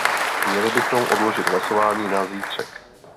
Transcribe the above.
Měli bychom odložit hlasování na zítřek.